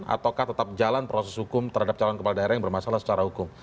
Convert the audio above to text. ataukah tetap jalan proses hukum terhadap calon kepala daerah yang bermasalah secara hukum